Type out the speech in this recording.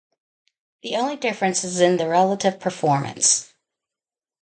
The only difference is in the relative performance.